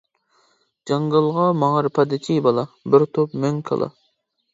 جاڭگالغا ماڭار پادىچى بالا، بىر توپ مۆڭ كالا.